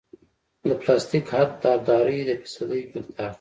د پلاستیک حد د ابدارۍ د فیصدي مقدار دی